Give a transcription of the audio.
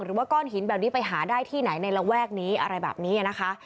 ก้อนหินแบบนี้ไปหาได้ที่ไหนในระแวกนี้อะไรแบบนี้นะคะ